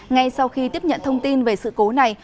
ngay sau khi tiếp nhận thông tin về sự cố này